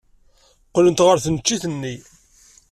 Qqlent ɣer tneččit-nni.